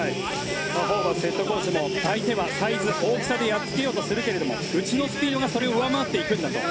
ホーバスヘッドコーチも相手はサイズ、大きさでやっつけようとするけどうちのスピードがそれを上回っていくんだと。